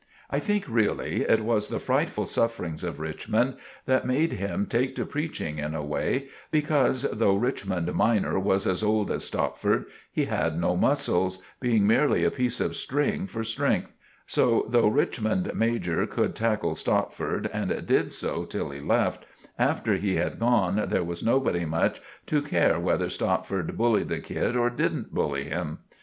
I think really it was the frightful sufferings of Richmond that made him take to preaching in a way, because, though Richmond minor was as old as Stopford, he had no muscles, being merely a piece of string for strength; so, though Richmond major could tackle Stopford, and did so till he left, after he had gone, there was nobody much to care whether Stopford bullied the kid or didn't bully him.